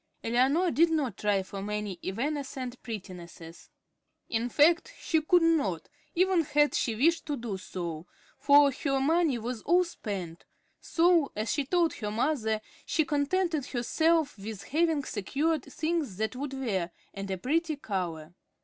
Eleanor did not try for many evanescent prettinesses. In fact, she could not, even had she wished to do so, for her money was all spent; so, as she told her mother, she contented herself with having secured things that would wear, and a pretty color.